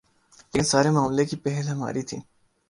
لیکن سارے معاملے کی پہل ہماری تھی۔